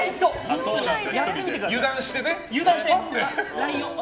油断してね。